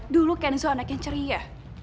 dulu kenzo anak yang ceria